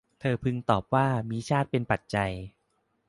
เธอพึงตอบว่า มีชาติเป็นปัจจัย